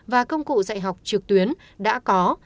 và công cụ dạy học trực tuyến đã có